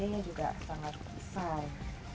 ini juga sangat besar